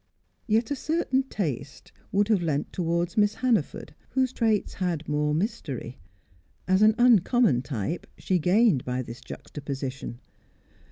Yet a certain taste would have leant towards Miss Hannaford, whose traits had more mystery; as an uncommon type, she gained by this juxtaposition.